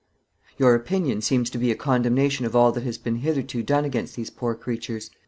Your opinion seems to be a condemnation of all that has been hitherto done against these poor creatures.